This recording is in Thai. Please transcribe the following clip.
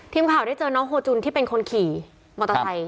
ทีมข่าวได้เจอน้องโฮจุนที่เป็นคนขี่มอเตอร์ไซค์